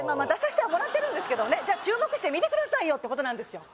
出さしてはもらってるんですけど注目して見てくださいよってこと